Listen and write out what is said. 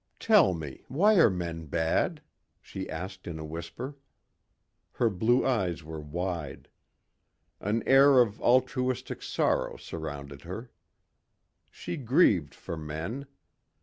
"Tell me, why are men bad?" she asked in a whisper. Her blue eyes were wide. An air of altruistic sorrow surrounded her. She grieved for men.